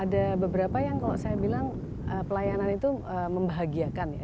ada beberapa yang kalau saya bilang pelayanan itu membahagiakan ya